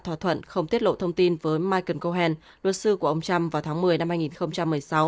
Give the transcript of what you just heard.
thỏa thuận không tiết lộ thông tin với michael cohen luật sư của ông trump vào tháng một mươi năm hai nghìn một mươi sáu